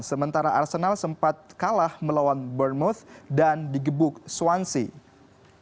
sementara arsenal sempat kalah melawan bournemouth dan digebuk swansea